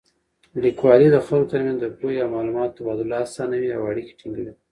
لیکوالی د خلکو تر منځ د پوهې او معلوماتو تبادله اسانوي او اړیکې ټینګوي.